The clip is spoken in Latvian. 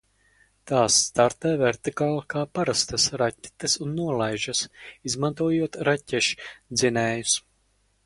Tās startē vertikāli kā parastas raķetes un nolaižas, izmantojot raķešdzinējus.